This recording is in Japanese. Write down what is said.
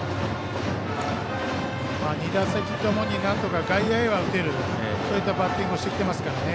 ２打席ともになんとか外野には打てるそういったバッティングをしてきていますからね。